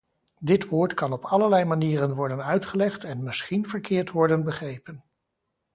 Dit woord kan op allerlei manieren worden uitgelegd en misschien verkeerd worden begrepen.